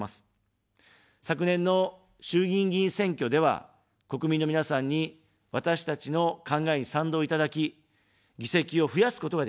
昨年の衆議院議員選挙では、国民の皆さんに、私たちの考えに賛同いただき、議席を増やすことができました。